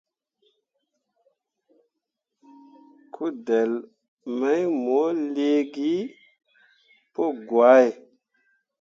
Kudelle mai mo liigi pǝgwahe.